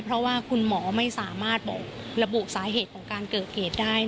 เพราะว่าคุณหมอไม่สามารถบอกระบุสาเหตุของการเกิดเหตุได้